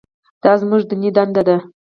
دا زموږ دیني دنده ده.